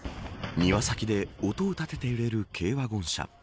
庭先で音を立てて揺れる軽ワゴン車。